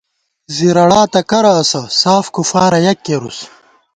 زِرَڑاتہ کرہ اسہ ساف کُفارہ یَک کېرُوس